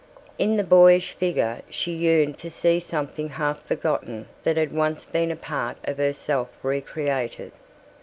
In the boyish figure she yearned to see something half forgotten that had once been a part of herself recreated.